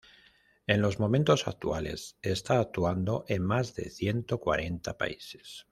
En los momentos actuales está actuando en más de ciento cuarenta países.